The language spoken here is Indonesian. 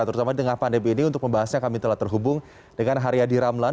terutama di tengah pandemi ini untuk membahasnya kami telah terhubung dengan haryadi ramlan